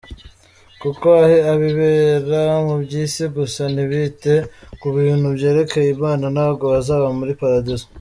Kuko abibera mu byisi gusa ntibite ku bintu byerekeye imana, ntabwo bazaba muli paradizo.